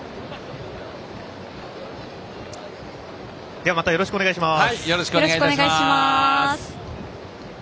では、またよろしくお願いします。